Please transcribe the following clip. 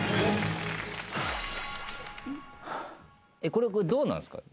これどうなんすか？